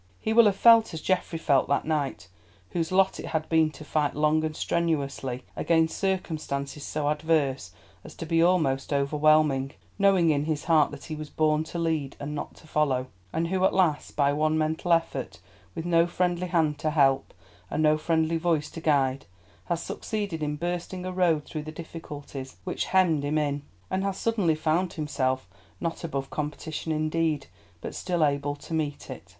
He will have felt as Geoffrey felt that night, whose lot it has been to fight long and strenuously against circumstances so adverse as to be almost overwhelming, knowing in his heart that he was born to lead and not to follow; and who at last, by one mental effort, with no friendly hand to help, and no friendly voice to guide, has succeeded in bursting a road through the difficulties which hemmed him in, and has suddenly found himself, not above competition indeed, but still able to meet it.